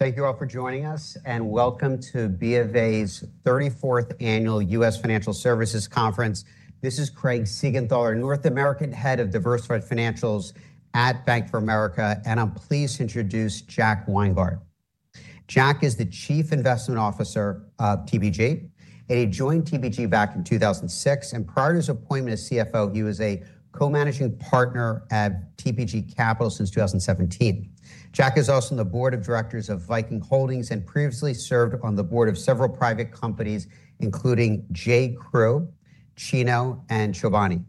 Thank you all for joining us, and welcome to BofA's 34th Annual U.S. Financial Services Conference. This is Craig Siegenthaler, our North American Head of Diversified Financials at Bank of America, and I'm pleased to introduce Jack Weingart. Jack is the Chief Investment Officer of TPG, and he joined TPG back in 2006, and prior to his appointment as CFO, he was a co-managing partner at TPG Capital since 2017. Jack is also on the board of directors of Viking Holdings and previously served on the board of several private companies, including J.Crew, Cano Health, and Chobani.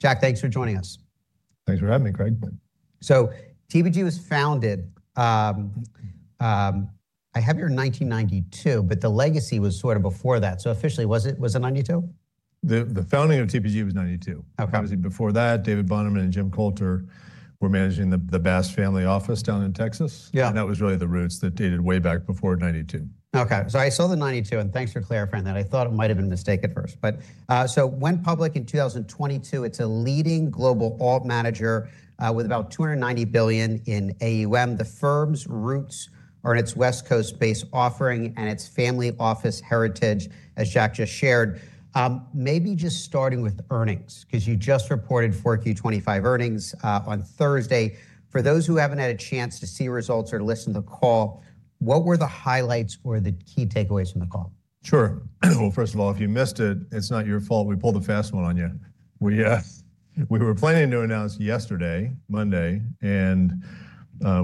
Jack, thanks for joining us. Thanks for having me, Craig. So TPG was founded, I have here in 1992, but the legacy was sort of before that. So officially, was it 1992? The founding of TPG was 1992. Obviously, before that, David Bonderman and Jim Coulter were managing the Bass family office down in Texas, and that was really the roots that dated way back before 1992. Okay, so I saw the 1992, and thanks for clarifying that. I thought it might have been a mistake at first. So went public in 2022, it's a leading global alt manager with about $290 billion in AUM. The firm's roots are in its West Coast-based offering and its family office heritage, as Jack just shared. Maybe just starting with earnings, because you just reported 4Q 2025 earnings on Thursday. For those who haven't had a chance to see results or to listen to the call, what were the highlights or the key takeaways from the call? Sure. Well, first of all, if you missed it, it's not your fault we pulled a fast one on you. We were planning to announce yesterday, Monday, and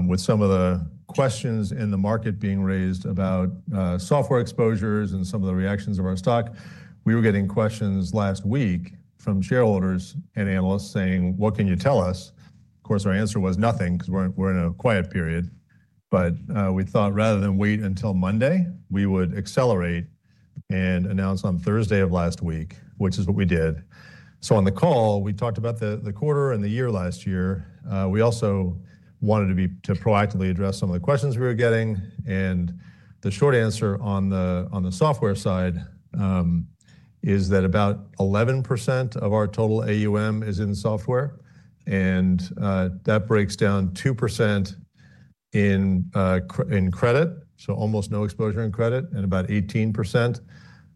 with some of the questions in the market being raised about software exposures and some of the reactions of our stock, we were getting questions last week from shareholders and analysts saying, "What can you tell us?" Of course, our answer was nothing, because we're in a quiet period. But we thought rather than wait until Monday, we would accelerate and announce on Thursday of last week, which is what we did. So on the call, we talked about the quarter and the year last year. We also wanted to proactively address some of the questions we were getting. The short answer on the software side is that about 11% of our total AUM is in software, and that breaks down 2% in credit, so almost no exposure in credit, and about 18%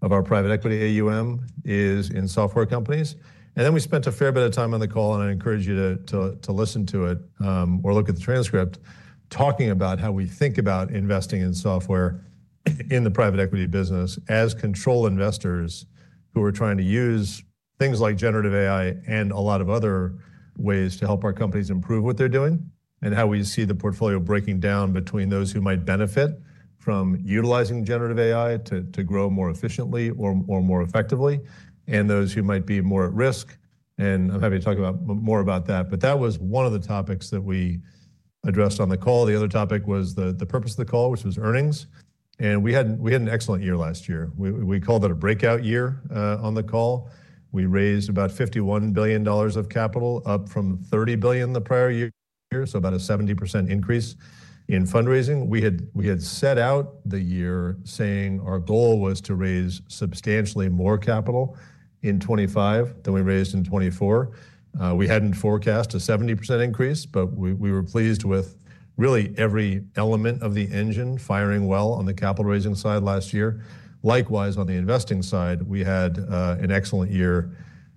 of our private equity AUM is in software companies. Then we spent a fair bit of time on the call, and I encourage you to listen to it or look at the transcript, talking about how we think about investing in software in the private equity business as control investors who are trying to use things like Generative AI and a lot of other ways to help our companies improve what they're doing, and how we see the portfolio breaking down between those who might benefit from utilizing Generative AI to grow more efficiently or more effectively, and those who might be more at risk. I'm happy to talk more about that, but that was one of the topics that we addressed on the call. The other topic was the purpose of the call, which was earnings. We had an excellent year last year. We called it a breakout year on the call. We raised about $51 billion of capital, up from $30 billion the prior year, so about a 70% increase in fundraising. We had set out the year saying our goal was to raise substantially more capital in 2025 than we raised in 2024. We hadn't forecast a 70% increase, but we were pleased with really every element of the engine firing well on the capital raising side last year. Likewise, on the investing side, we had an excellent year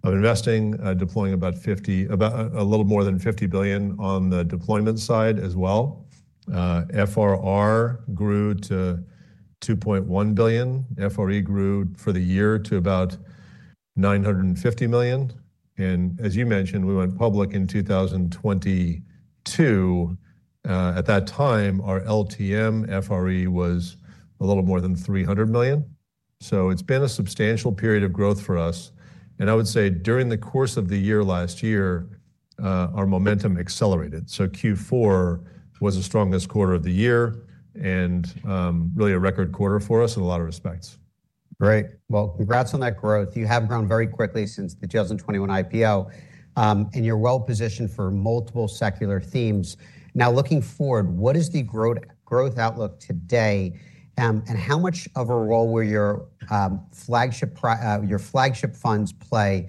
of investing, deploying a little more than $50 billion on the deployment side as well. FRR grew to $2.1 billion. FRE grew for the year to about $950 million. As you mentioned, we went public in 2022. At that time, our LTM FRE was a little more than $300 million. It's been a substantial period of growth for us. I would say during the course of the year last year, our momentum accelerated. Q4 was the strongest quarter of the year and really a record quarter for us in a lot of respects. Great. Well, congrats on that growth. You have grown very quickly since the 2021 IPO, and you're well positioned for multiple secular themes. Now, looking forward, what is the growth outlook today, and how much of a role will your flagship funds play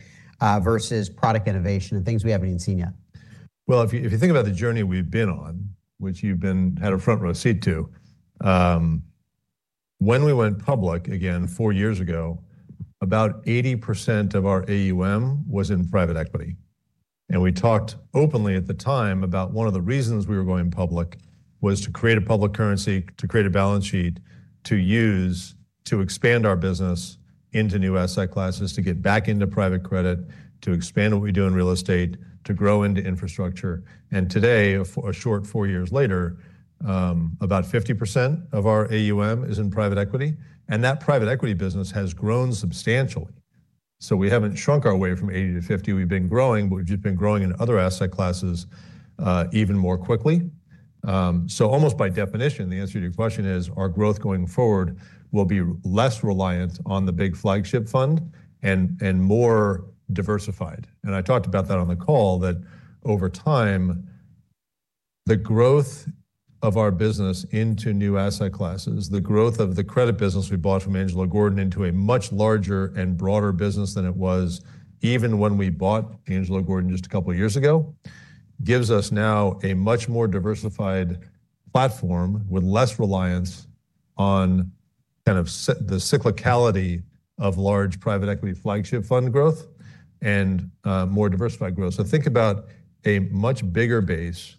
versus product innovation and things we haven't even seen yet? Well, if you think about the journey we've been on, which you've had a front row seat to, when we went public again four years ago, about 80% of our AUM was in private equity. And we talked openly at the time about one of the reasons we were going public was to create a public currency, to create a balance sheet, to expand our business into new asset classes, to get back into private credit, to expand what we do in real estate, to grow into infrastructure. And today, a short four years later, about 50% of our AUM is in private equity, and that private equity business has grown substantially. So we haven't shrunk our way from 80-50. We've been growing, but we've just been growing in other asset classes even more quickly. So almost by definition, the answer to your question is our growth going forward will be less reliant on the big flagship fund and more diversified. And I talked about that on the call, that over time, the growth of our business into new asset classes, the growth of the credit business we bought from Angelo Gordon into a much larger and broader business than it was even when we bought Angelo Gordon just a couple of years ago, gives us now a much more diversified platform with less reliance on kind of the cyclicality of large private equity flagship fund growth and more diversified growth. So think about a much bigger base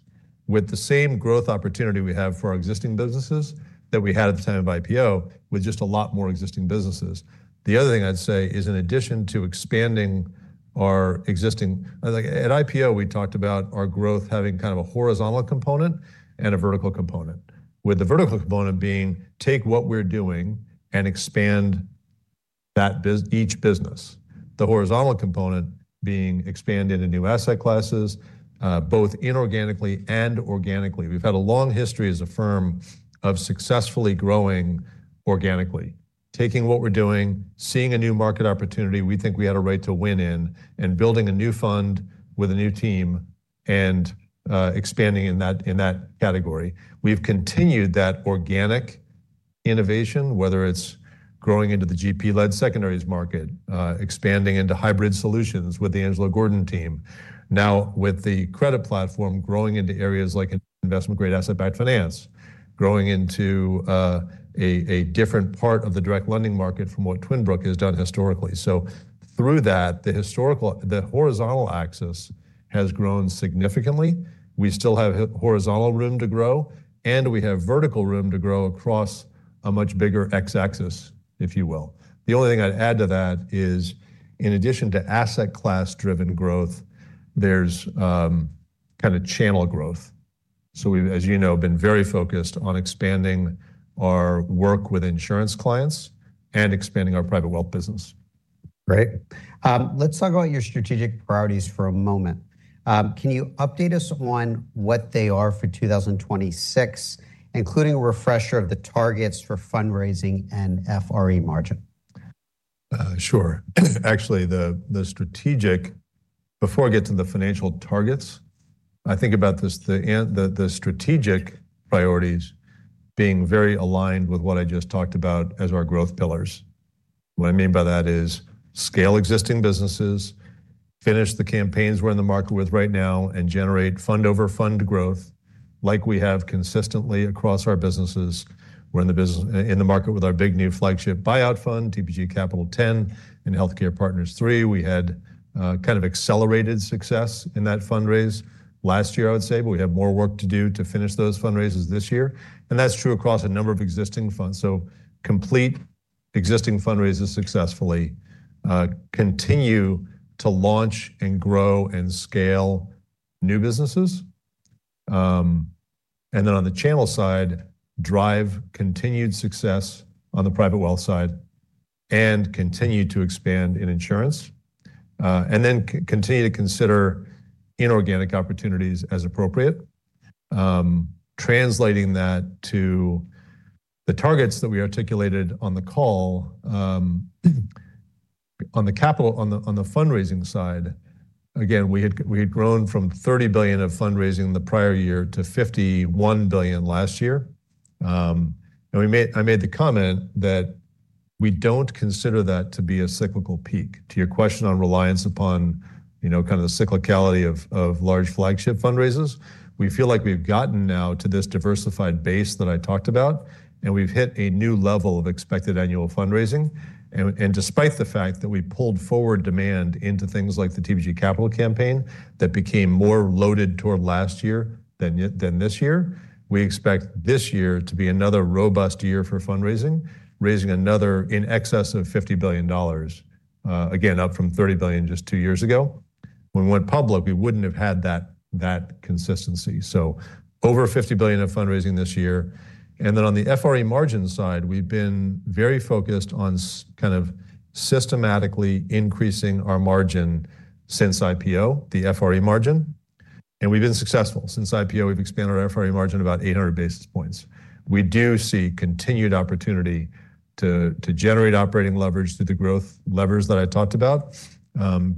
with the same growth opportunity we have for our existing businesses that we had at the time of IPO with just a lot more existing businesses. The other thing I'd say is, in addition to expanding our existing AUM at IPO, we talked about our growth having kind of a horizontal component and a vertical component, with the vertical component being take what we're doing and expand each business, the horizontal component being expand into new asset classes, both inorganically and organically. We've had a long history as a firm of successfully growing organically, taking what we're doing, seeing a new market opportunity we think we had a right to win in, and building a new fund with a new team and expanding in that category. We've continued that organic innovation, whether it's growing into the GP-Led Secondaries market, expanding into hybrid solutions with the Angelo Gordon team, now with the credit platform growing into areas like investment-grade Asset-Backed Finance, growing into a different part of the Direct Lending market from what Twin Brook has done historically. So through that, the horizontal axis has grown significantly. We still have horizontal room to grow, and we have vertical room to grow across a much bigger X-axis, if you will. The only thing I'd add to that is, in addition to asset-class-driven growth, there's kind of channel growth. So we, as you know, have been very focused on expanding our work with insurance clients and expanding our private wealth business. Great. Let's talk about your strategic priorities for a moment. Can you update us on what they are for 2026, including a refresher of the targets for fundraising and FRE margin? Sure. Actually, before I get to the financial targets, I think about the strategic priorities being very aligned with what I just talked about as our growth pillars. What I mean by that is scale existing businesses, finish the campaigns we're in the market with right now, and generate fund-over-fund growth like we have consistently across our businesses. We're in the market with our big new flagship buyout fund, TPG Capital X, and Healthcare Partners III. We had kind of accelerated success in that fundraise last year, I would say, but we have more work to do to finish those fundraises this year. And that's true across a number of existing funds. So complete existing fundraises successfully, continue to launch and grow and scale new businesses, and then on the channel side, drive continued success on the private wealth side and continue to expand in insurance, and then continue to consider inorganic opportunities as appropriate, translating that to the targets that we articulated on the call. On the fundraising side, again, we had grown from $30 billion of fundraising the prior year to $51 billion last year. And I made the comment that we don't consider that to be a cyclical peak. To your question on reliance upon kind of the cyclicality of large flagship fundraisers, we feel like we've gotten now to this diversified base that I talked about, and we've hit a new level of expected annual fundraising. Despite the fact that we pulled forward demand into things like the TPG Capital campaign that became more loaded toward last year than this year, we expect this year to be another robust year for fundraising, raising another in excess of $50 billion, again, up from $30 billion just two years ago. When we went public, we wouldn't have had that consistency. Over $50 billion of fundraising this year. Then on the FRE margin side, we've been very focused on kind of systematically increasing our margin since IPO, the FRE margin, and we've been successful. Since IPO, we've expanded our FRE margin about 800 basis points. We do see continued opportunity to generate operating leverage through the growth levers that I talked about,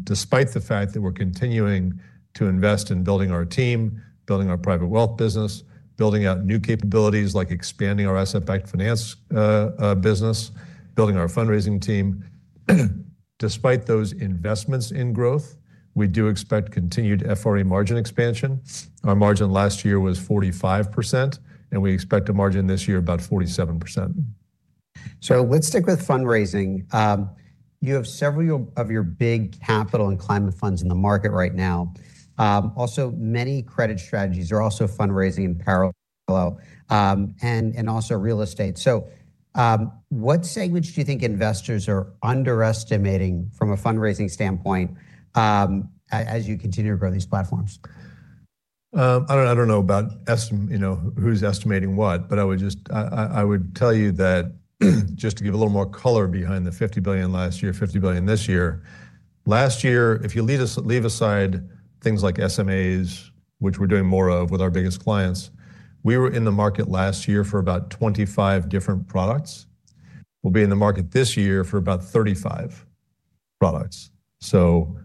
despite the fact that we're continuing to invest in building our team, building our private wealth business, building out new capabilities like expanding our asset-backed finance business, building our fundraising team. Despite those investments in growth, we do expect continued FRE margin expansion. Our margin last year was 45%, and we expect a margin this year about 47%. Let's stick with fundraising. You have several of your big capital and climate funds in the market right now. Also, many credit strategies are also fundraising in parallel and also real estate. What segments do you think investors are underestimating from a fundraising standpoint as you continue to grow these platforms? I don't know about who's estimating what, but I would tell you that just to give a little more color behind the $50 billion last year, $50 billion this year. Last year, if you leave aside things like SMAs, which we're doing more of with our biggest clients, we were in the market last year for about 25 different products. We'll be in the market this year for about 35 products. So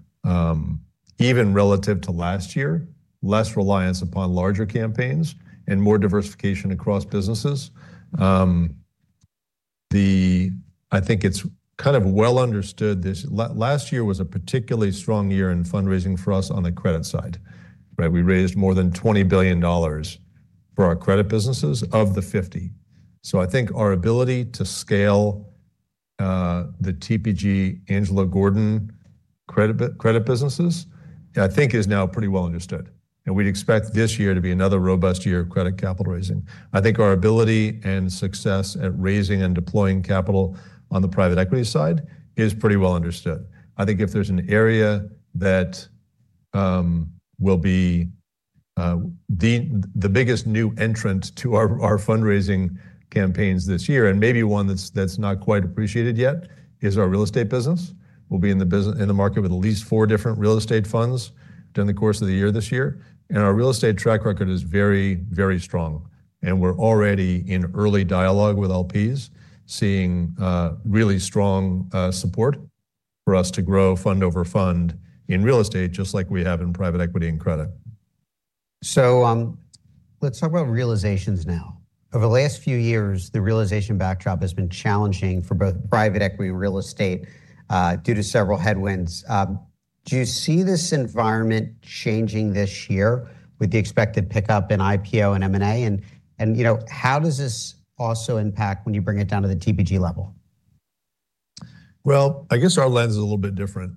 even relative to last year, less reliance upon larger campaigns and more diversification across businesses. I think it's kind of well understood. Last year was a particularly strong year in fundraising for us on the credit side. We raised more than $20 billion for our credit businesses of the 50. So I think our ability to scale the TPG Angelo Gordon credit businesses, I think, is now pretty well understood. We'd expect this year to be another robust year of credit capital raising. I think our ability and success at raising and deploying capital on the private equity side is pretty well understood. I think if there's an area that will be the biggest new entrant to our fundraising campaigns this year, and maybe one that's not quite appreciated yet, is our real estate business. We'll be in the market with at least four different real estate funds during the course of the year this year. Our real estate track record is very, very strong. We're already in early dialogue with LPs, seeing really strong support for us to grow fund-over-fund in real estate, just like we have in private equity and credit. So let's talk about realizations now. Over the last few years, the realization backdrop has been challenging for both private equity and real estate due to several headwinds. Do you see this environment changing this year with the expected pickup in IPO and M&A? And how does this also impact when you bring it down to the TPG level? Well, I guess our lens is a little bit different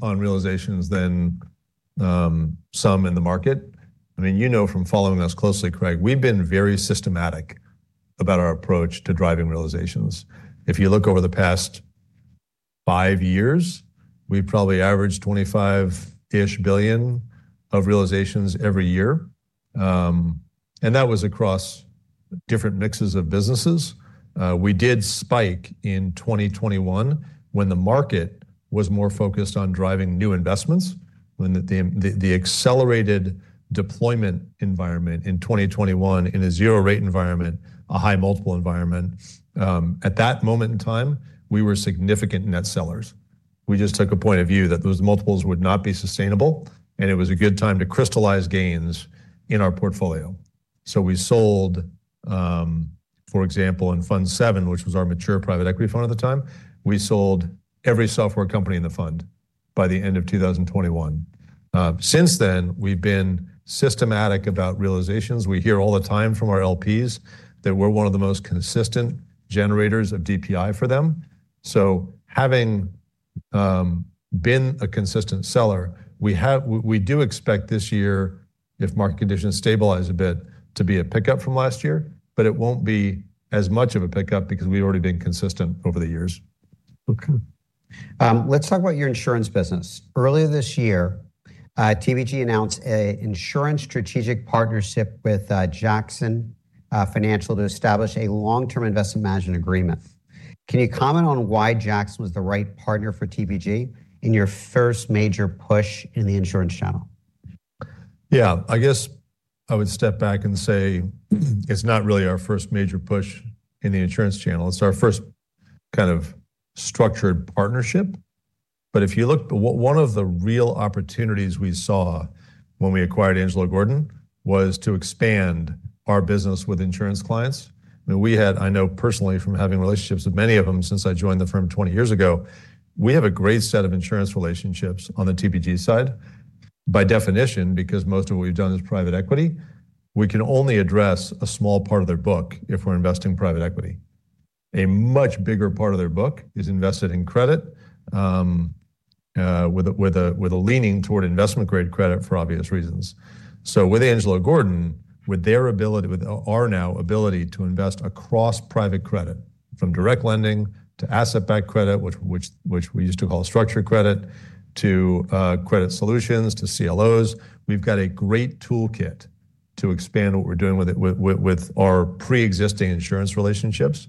on realizations than some in the market. I mean, you know from following us closely, Craig, we've been very systematic about our approach to driving realizations. If you look over the past five years, we probably averaged $25-ish billion of realizations every year. And that was across different mixes of businesses. We did spike in 2021 when the market was more focused on driving new investments, when the accelerated deployment environment in 2021 in a zero-rate environment, a high multiple environment. At that moment in time, we were significant net sellers. We just took a point of view that those multiples would not be sustainable, and it was a good time to crystallize gains in our portfolio. So we sold, for example, in Fund VII, which was our mature private equity fund at the time, we sold every software c ompany in the fund by the end of 2021. Since then, we've been systematic about realizations. We hear all the time from our LPs that we're one of the most consistent generators of DPI for them. So having been a consistent seller, we do expect this year, if market conditions stabilize a bit, to be a pickup from last year, but it won't be as much of a pickup because we've already been consistent over the years. Okay. Let's talk about your insurance business. Earlier this year, TPG announced an insurance strategic partnership with Jackson Financial to establish a long-term investment management agreement. Can you comment on why Jackson was the right partner for TPG in your first major push in the insurance channel? Yeah, I guess I would step back and say it's not really our first major push in the insurance channel. It's our first kind of structured partnership. But if you look, one of the real opportunities we saw when we acquired Angelo Gordon was to expand our business with insurance clients. I mean, we had, I know personally from having relationships with many of them since I joined the firm 20 years ago, we have a great set of insurance relationships on the TPG side. By definition, because most of what we've done is private equity, we can only address a small part of their book if we're investing private equity. A much bigger part of their book is invested in credit with a leaning toward investment-grade credit for obvious reasons. So with Angelo Gordon, with our now ability to invest across private credit from direct lending to asset-backed credit, which we used to call structured credit, to credit solutions, to CLOs, we've got a great toolkit to expand what we're doing with our pre-existing insurance relationships.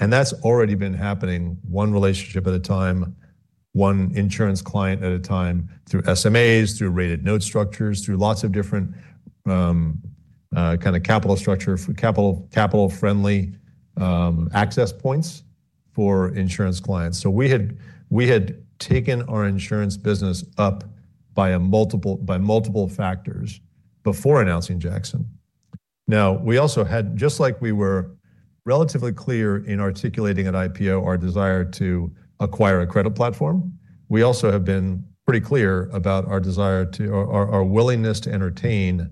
And that's already been happening one relationship at a time, one insurance client at a time through SMAs, through rated note structures, through lots of different kind of capital structure, capital-friendly access points for insurance clients. So we had taken our insurance business up by multiple factors before announcing Jackson. Now, we also had, just like we were relatively clear in articulating at IPO our desire to acquire a credit platform, we also have been pretty clear about our willingness to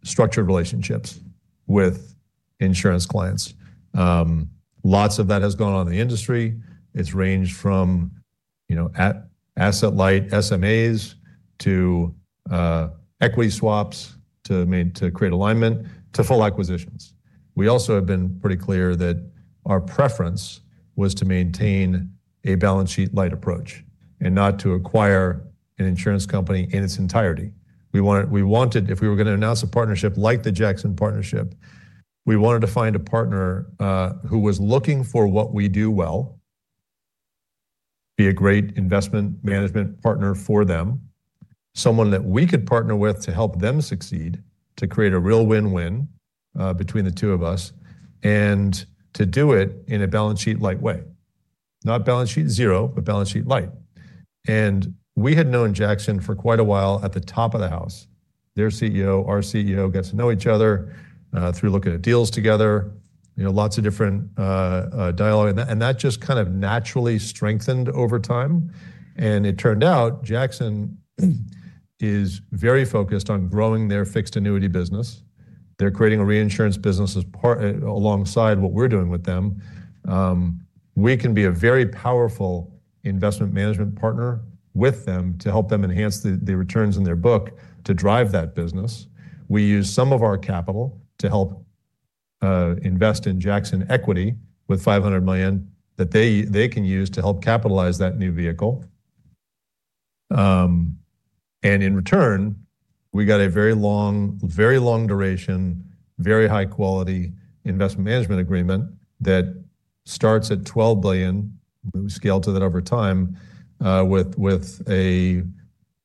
entertain structured relationships with insurance clients. Lots of that has gone on in the industry. It's ranged from asset-light SMAs to equity swaps to create alignment to full acquisitions. We also have been pretty clear that our preference was to maintain a balance sheet-light approach and not to acquire an insurance company in its entirety. We wanted, if we were going to announce a partnership like the Jackson partnership, we wanted to find a partner who was looking for what we do well, be a great investment management partner for them, someone that we could partner with to help them succeed, to create a real win-win between the two of us, and to do it in a balance sheet-light way, not balance sheet zero, but balance sheet light. We had known Jackson for quite a while at the top of the house. Their CEO, our CEO, got to know each other through looking at deals together, lots of different dialogue. That just kind of naturally strengthened over time. It turned out Jackson is very focused on growing their fixed annuity business. They're creating a reinsurance business alongside what we're doing with them. We can be a very powerful investment management partner with them to help them enhance the returns in their book to drive that business. We use some of our capital to help invest in Jackson equity with $500 million that they can use to help capitalize that new vehicle. And in return, we got a very long duration, very high-quality investment management agreement that starts at $12 billion. We scaled to that over time with the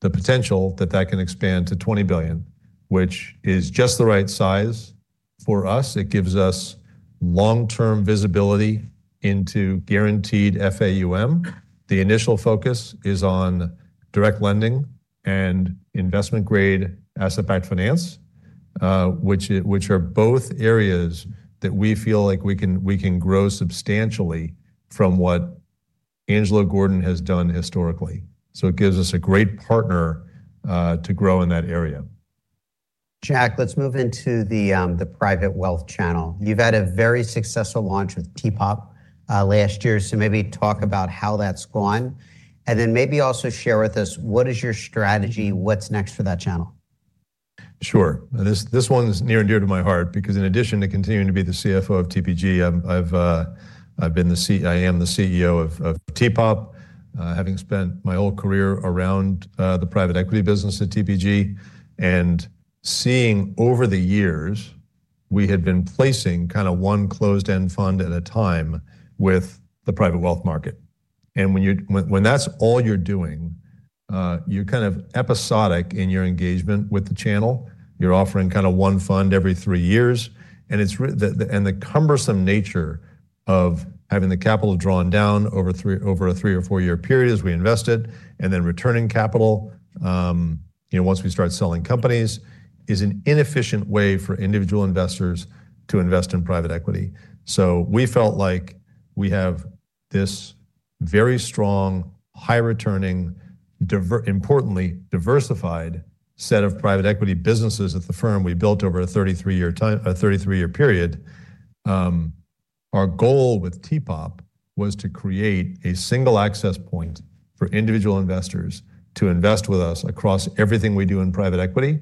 potential that that can expand to $20 billion, which is just the right size for us. It gives us long-term visibility into guaranteed FAUM. The initial focus is on direct lending and investment-grade asset-backed finance, which are both areas that we feel like we can grow substantially from what Angelo Gordon has done historically. So it gives us a great partner to grow in that area. Jack, let's move into the private wealth channel. You've had a very successful launch with TPOP last year. So maybe talk about how that's gone. And then maybe also share with us, what is your strategy? What's next for that channel? Sure. This one's near and dear to my heart because in addition to continuing to be the CFO of TPG, I am the CEO of TPOP, having spent my whole career around the private equity business at TPG. And seeing over the years, we had been placing kind of one closed-end fund at a time with the private wealth market. And when that's all you're doing, you're kind of episodic in your engagement with the channel. You're offering kind of one fund every three years. And the cumbersome nature of having the capital drawn down over a three or four year period as we invest it and then returning capital once we start selling companies is an inefficient way for individual investors to invest in private equity. So we felt like we have this very strong, high-returning, importantly, diversified set of private equity businesses at the firm we built over a 33-year period. Our goal with TPOP was to create a single access point for individual investors to invest with us across everything we do in private equity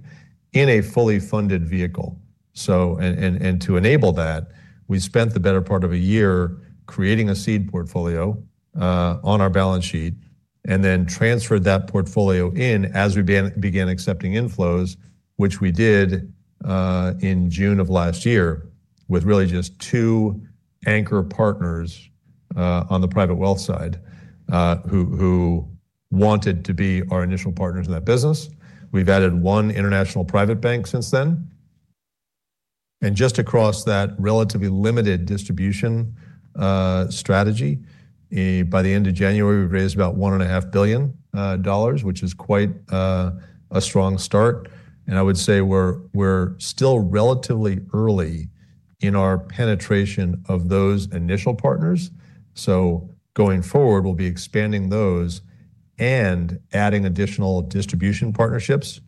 in a fully funded vehicle. And to enable that, we spent the better part of a year creating a seed portfolio on our balance sheet and then transferred that portfolio in as we began accepting inflows, which we did in June of last year with really just two anchor partners on the private wealth side who wanted to be our initial partners in that business. We've added one international private bank since then. And just across that relatively limited distribution strategy, by the end of January, we've raised about $1.5 billion, which is quite a strong start. I would say we're still relatively early in our penetration of those initial partners. So going forward, we'll be expanding those and adding additional distribution partnerships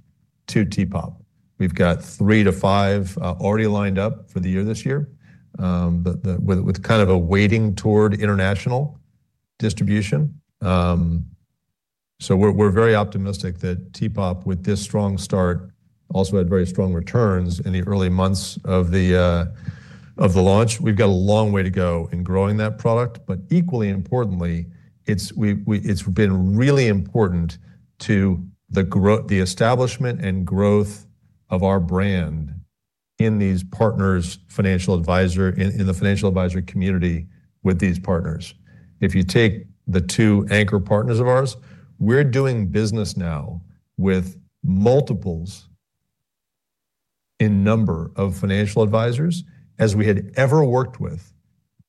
to TPOP. We've got 3-5 already lined up for the year this year with kind of a weighting toward international distribution. So we're very optimistic that TPOP, with this strong start, also had very strong returns in the early months of the launch. We've got a long way to go in growing that product. But equally importantly, it's been really important to the establishment and growth of our brand in the financial advisor community with these partners. If you take the two anchor partners of ours, we're doing business now with multiples in number of financial advisors as we had ever worked with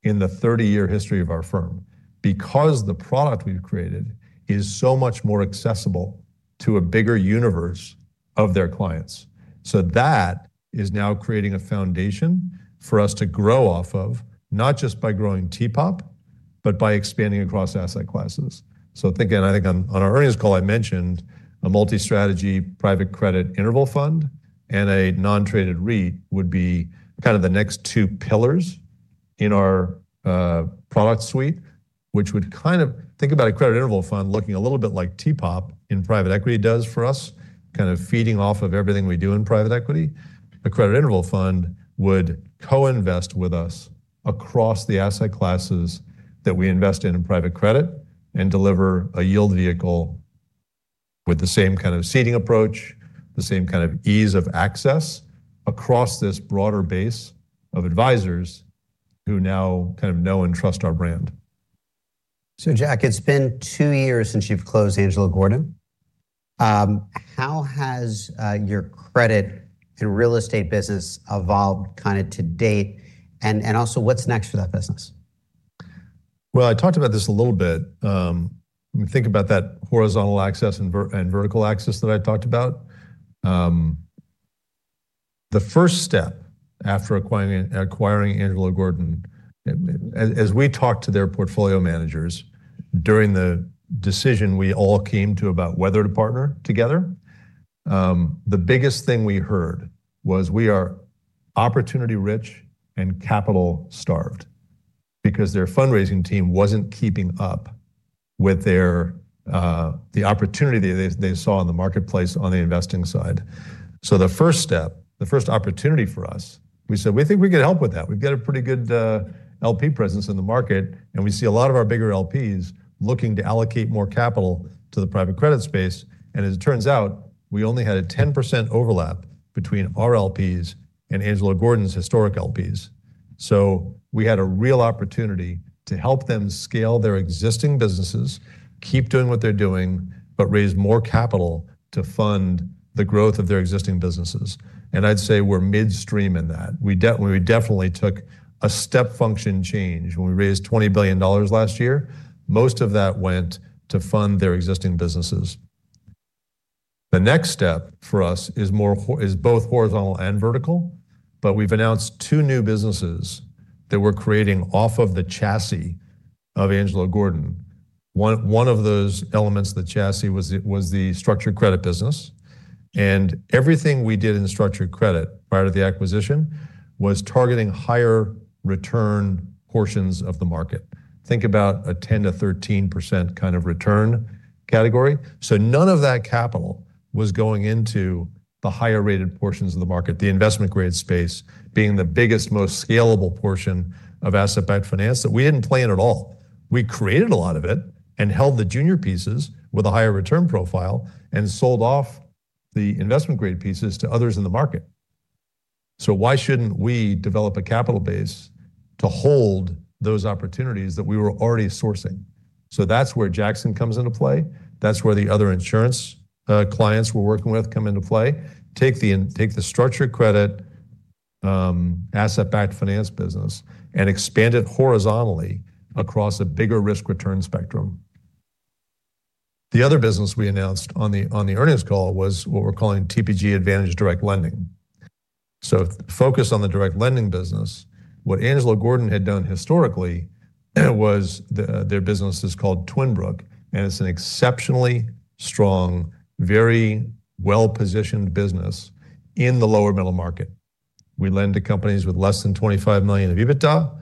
in the 30-year history of our firm because the product we've created is so much more accessible to a bigger universe of their clients. So that is now creating a foundation for us to grow off of, not just by growing TPOP, but by expanding across asset classes. So again, I think on our earnings call, I mentioned a multi-strategy private credit interval fund and a non-traded REIT would be kind of the next two pillars in our product suite, which would kind of think about a credit interval fund looking a little bit like TPOP in private equity does for us, kind of feeding off of everything we do in private equity. A credit interval fund would co-invest with us across the asset classes that we invest in in private credit and deliver a yield vehicle with the same kind of seeding approach, the same kind of ease of access across this broader base of advisors who now kind of know and trust our brand. So, Jack, it's been two years since you've closed Angelo Gordon. How has your credit and real estate business evolved kind of to date? And also, what's next for that business? Well, I talked about this a little bit. Think about that horizontal axis and vertical axis that I talked about. The first step after acquiring Angelo Gordon, as we talked to their portfolio managers during the decision we all came to about whether to partner together, the biggest thing we heard was we are opportunity-rich and capital-starved because their fundraising team wasn't keeping up with the opportunity they saw in the marketplace on the investing side. So the first step, the first opportunity for us, we said, we think we could help with that. We've got a pretty good LP presence in the market, and we see a lot of our bigger LPs looking to allocate more capital to the private credit space. And as it turns out, we only had a 10% overlap between our LPs and Angelo Gordon's historic LPs. So we had a real opportunity to help them scale their existing businesses, keep doing what they're doing, but raise more capital to fund the growth of their existing businesses. I'd say we're midstream in that. We definitely took a step function change. When we raised $20 billion last year, most of that went to fund their existing businesses. The next step for us is both horizontal and vertical. We've announced two new businesses that we're creating off of the chassis of Angelo Gordon. One of those elements of the chassis was the structured credit business. Everything we did in the structured credit prior to the acquisition was targeting higher return portions of the market. Think about a 10%-13% kind of return category. So none of that capital was going into the higher rated portions of the market, the investment-grade space being the biggest, most scalable portion of asset-backed finance that we didn't plan at all. We created a lot of it and held the junior pieces with a higher return profile and sold off the investment-grade pieces to others in the market. So why shouldn't we develop a capital base to hold those opportunities that we were already sourcing? So that's where Jackson comes into play. That's where the other insurance clients we're working with come into play, take the structured credit asset-backed finance business and expand it horizontally across a bigger risk-return spectrum. The other business we announced on the earnings call was what we're calling TPG Advantage Direct Lending. So focus on the direct lending business. What Angelo Gordon had done historically was their business is called Twin Brook, and it's an exceptionally strong, very well-positioned business in the lower middle market. We lend to companies with less than $25 million of EBITDA.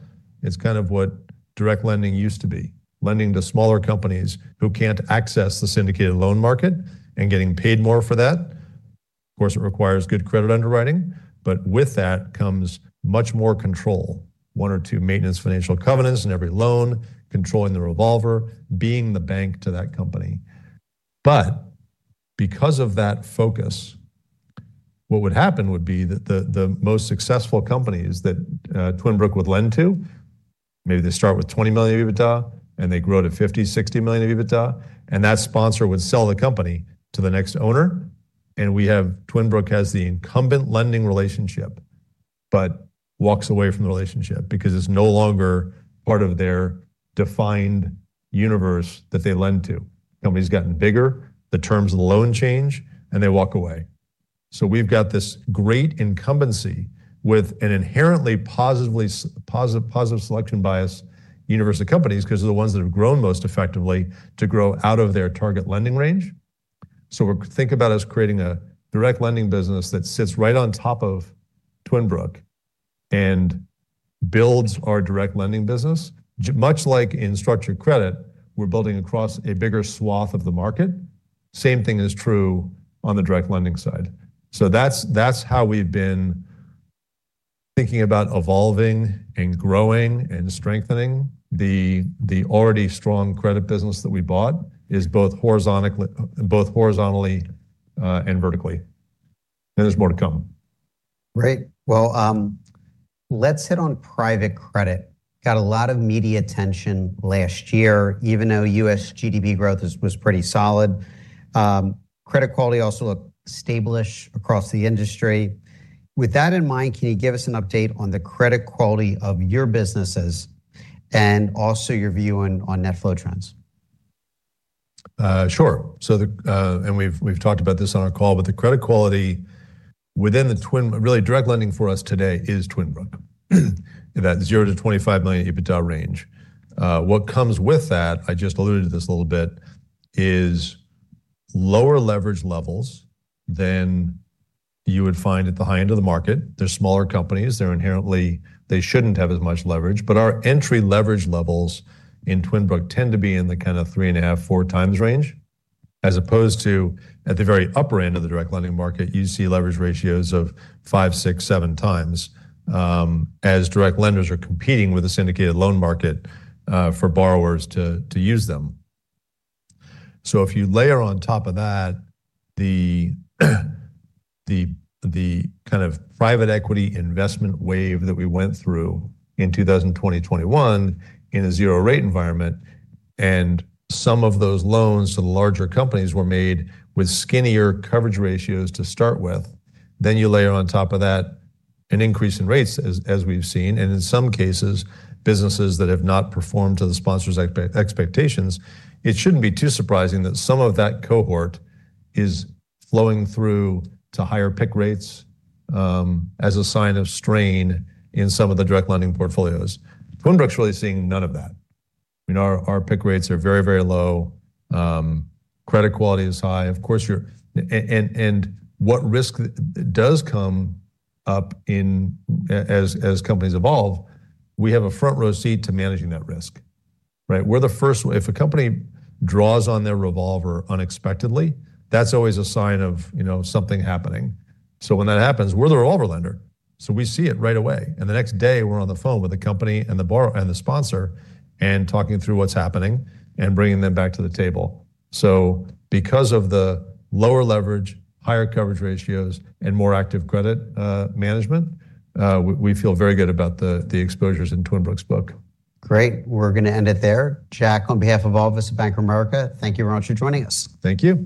It's kind of what direct lending used to be, lending to smaller companies who can't access the syndicated loan market and getting paid more for that. Of course, it requires good credit underwriting. But with that comes much more control, one or two maintenance financial covenants in every loan, controlling the revolver, being the bank to that company. But because of that focus, what would happen would be that the most successful companies that Twin Brook would lend to, maybe they start with $20 million of EBITDA and they grow to $50 million-$60 million of EBITDA, and that sponsor would sell the company to the next owner. And Twin Brook has the incumbent lending relationship but walks away from the relationship because it's no longer part of their defined universe that they lend to. The company's gotten bigger, the terms of the loan change, and they walk away. So we've got this great incumbency with an inherently positive selection bias universe of companies because they're the ones that have grown most effectively to grow out of their target lending range. So think about us creating a direct lending business that sits right on top of Twin Brook and builds our direct lending business. Much like in structured credit, we're building across a bigger swath of the market. Same thing is true on the direct lending side. So that's how we've been thinking about evolving and growing and strengthening the already strong credit business that we bought both horizontally and vertically. And there's more to come. Great. Well, let's hit on private credit. Got a lot of media attention last year, even though U.S. GDP growth was pretty solid. Credit quality also looked stable across the industry. With that in mind, can you give us an update on the credit quality of your businesses and also your view on net flow trends? Sure. And we've talked about this on our call, but the credit quality within the really direct lending for us today is Twin Brook, that $0 million-$25 million EBITDA range. What comes with that, I just alluded to this a little bit, is lower leverage levels than you would find at the high end of the market. They're smaller companies. They shouldn't have as much leverage. But our entry leverage levels in Twin Brook tend to be in the kind of 3.5x-4x range, as opposed to at the very upper end of the direct lending market, you see leverage ratios of 5x, 6x, 7x as direct lenders are competing with the syndicated loan market for borrowers to use them. So if you layer on top of that the kind of private equity investment wave that we went through in 2020-21 in a zero-rate environment and some of those loans to the larger companies were made with skinnier coverage ratios to start with, then you layer on top of that an increase in rates as we've seen. And in some cases, businesses that have not performed to the sponsor's expectations, it shouldn't be too surprising that some of that cohort is flowing through to higher pick rates as a sign of strain in some of the direct lending portfolios. Twin Brook's really seeing none of that. I mean, our pick rates are very, very low. Credit quality is high. Of course, and what risk does come up as companies evolve, we have a front-row seat to managing that risk, right? If a company draws on their revolver unexpectedly, that's always a sign of something happening. So when that happens, we're the revolver lender. So we see it right away. And the next day, we're on the phone with the company and the sponsor and talking through what's happening and bringing them back to the table. So because of the lower leverage, higher coverage ratios, and more active credit management, we feel very good about the exposures in Twin Brook's book. Great. We're going to end it there. Jack, on behalf of all of us at Bank of America, thank you very much for joining us. Thank you.